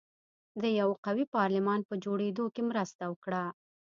د یوه قوي پارلمان په جوړېدو کې مرسته وکړه.